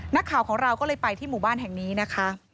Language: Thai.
นักข่าวของเราก็เลยไปที่หมู่บ้านแห่งนี้นะคะ